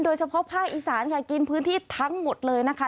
โดยเฉพาะภาคอีสานค่ะกินพื้นที่ทั้งหมดเลยนะคะ